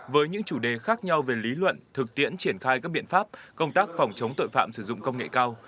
với những chủ đề khác nhau về lý luận thực tiễn triển khai các biện pháp công tác phòng chống tội phạm sử dụng công nghệ cao